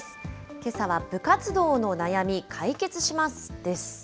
けさは、部活動の悩み解決します！です。